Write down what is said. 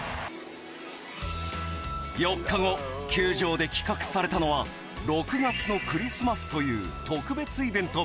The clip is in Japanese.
４日後球場で企画されたのは「６月のクリスマス」という特別イベント。